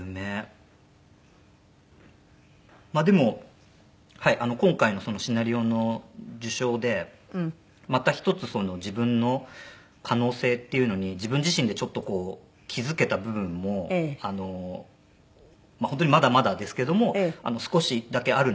まあでも今回のシナリオの受賞でまた１つ自分の可能性っていうのに自分自身でちょっとこう気付けた部分も本当にまだまだですけども少しだけあるので。